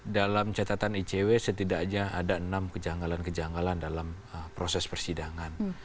dalam catatan icw setidaknya ada enam kejanggalan kejanggalan dalam proses persidangan